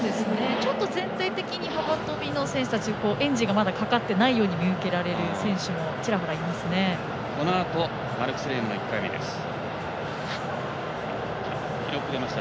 ちょっと全体的に幅跳びの選手たちエンジンがまだかかっていないように見受けられる選手がちらちらいますね。